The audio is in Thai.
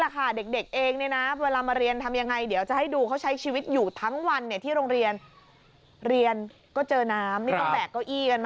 ก็เจอน้ำไม่ต้องแปะเก้าอี้กันมานะโอ้โห